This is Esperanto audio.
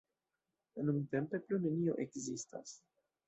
Nuntempe plu nenio ekzistas.